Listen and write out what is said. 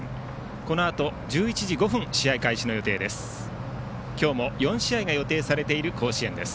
このあと１１時５分試合開始の予定です。